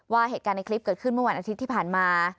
เหตุการณ์ในคลิปเกิดขึ้นเมื่อวันอาทิตย์ที่ผ่านมา